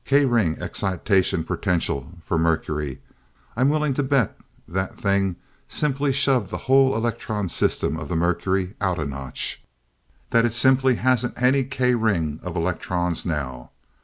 "K ring excitation potential for mercury. I'm willing to bet that thing simply shoved the whole electron system of the mercury out a notch that it simply hasn't any K ring of electrons now.